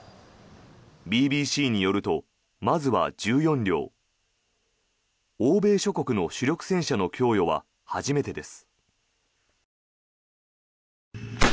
ＢＢＣによると、まずは１４両欧米諸国の主力戦車の供与は初めてです。